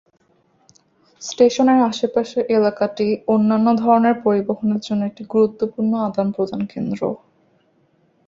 স্টেশনের আশেপাশের এলাকাটি অন্যান্য ধরনের পরিবহনের জন্য একটি গুরুত্বপূর্ণ আদান-প্রদান কেন্দ্র।